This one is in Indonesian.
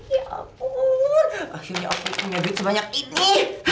ya ampun akhirnya aku punya duit sebanyak ini